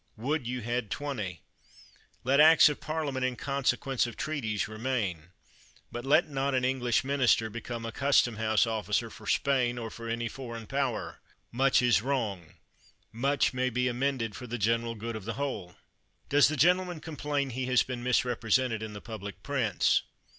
Would you had twenty ! Let acts of Parliament in consequence of treaties remain; but let not an English minister become a custom house officer for Spain, or for any foreign power. Much is wrong ! Much may be amended for the gener al good of the whole ! Does the gentleman complain he has been misrepresented in the public prints?